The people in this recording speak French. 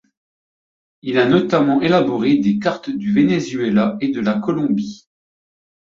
Il a notamment élaboré des cartes du Venezuela et de la Colombie.